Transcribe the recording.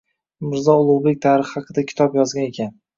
Mirzo Ulug‘bek tarixi haqida kitob yozgan ekan.